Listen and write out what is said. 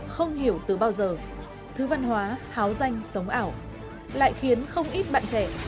không hiểu từ bao giờ thứ văn hóa háo danh sống ảo lại khiến không ít bạn trẻ